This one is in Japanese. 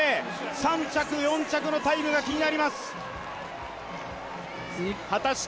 ３着、４着のタイムが気になります。